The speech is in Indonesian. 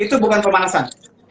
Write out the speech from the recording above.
itu bukan pemanasan